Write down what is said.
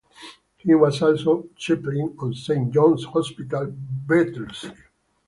He was also chaplain of Saint John's Hospital, Battersea.